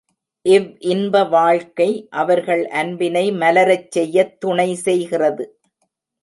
இவ்இன்ப வாழ்க்கை அவர்கள் அன்பினை மலரச் செய்யத் துணை செய்கிறது.